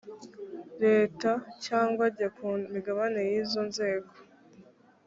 leta cyangwa ajya ku migabane y izo nzego